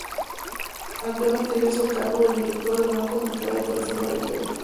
Actualmente ejerce el cargo de Director del Banco Central de Reserva del Perú.